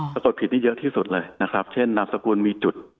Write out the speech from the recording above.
ปรากฏผิดนี่เยอะที่สุดเลยนะครับเช่นนามสกุลมีจุด